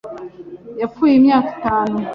Yapfuye imyaka itanu.